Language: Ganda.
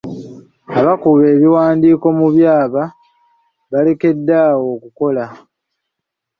Abakuba ebiwandiiko mu byaba balekedde awo okukola.